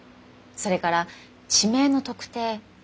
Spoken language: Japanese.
それから地名の特定。